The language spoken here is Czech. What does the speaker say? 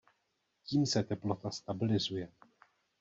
Tím se teplota stabilizuje.